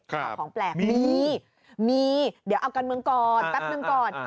ของแปลกมีมีเดี๋ยวเอาการเมืองก่อนแป๊บหนึ่งก่อน